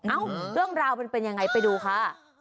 เรื่องราวมันเป็นยังไงไปดูค่ะ